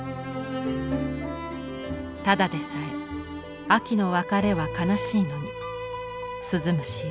「ただでさえ秋の別れは悲しいのに鈴虫よ